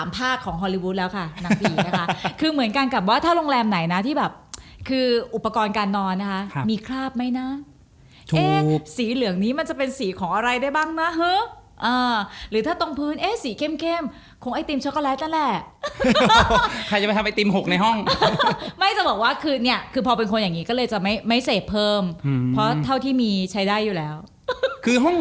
ผมว่าปลอบใจตัวเอง